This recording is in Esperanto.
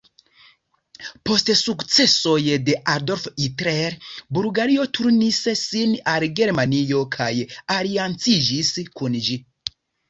Post sukcesoj de Adolf Hitler, Bulgario turnis sin al Germanio kaj alianciĝis kun ĝi.